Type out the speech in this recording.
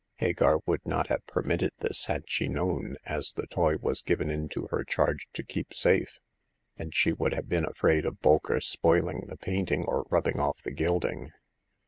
Hagar would not have permitted this had she known, as the toy was given into her charge to keep safe, and she would have been afraid of Bolker spoiling the painting or rubbing off the gilding.